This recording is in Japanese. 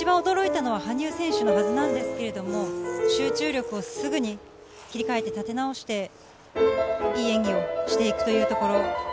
ただその後、一番驚いたのは羽生選手のはずなんですけど、集中力をすぐに切り替えて立て直して、いい演技をしていくというところ。